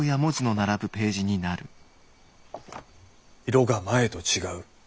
色が前と違う。